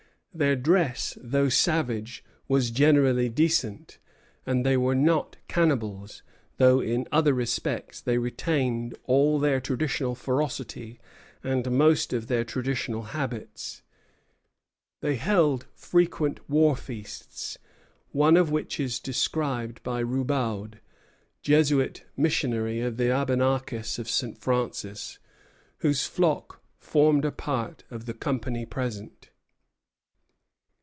Their dress, though savage, was generally decent, and they were not cannibals; though in other respects they retained all their traditional ferocity and most of their traditional habits. They held frequent war feasts, one of which is described by Roubaud, Jesuit missionary of the Abenakis of St. Francis, whose flock formed a part of the company present.